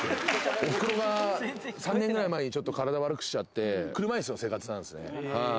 おふくろが３年ぐらい前にちょっと体悪くしちゃって、車いすの生活なんですよ。